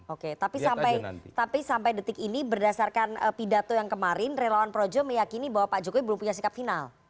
oke tapi sampai detik ini berdasarkan pidato yang kemarin relawan projo meyakini bahwa pak jokowi belum punya sikap final